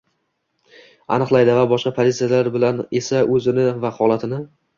aniqlaydi va boshqa pozitsiyalar bilan esa o‘zini va holatini